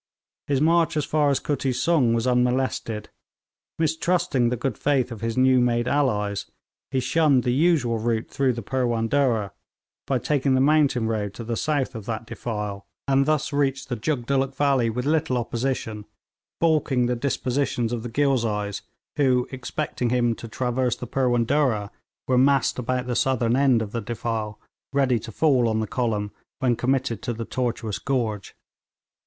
His march as far as Kutti Sung was unmolested. Mistrusting the good faith of his new made allies, he shunned the usual route through the Purwan Durrah by taking the mountain road to the south of that defile, and thus reached the Jugdulluk valley with little opposition, baulking the dispositions of the Ghilzais, who, expecting him to traverse the Purwan Durrah, were massed about the southern end of the defile, ready to fall on the column when committed to the tortuous gorge.